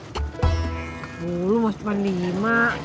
sepuluh mau cuman lima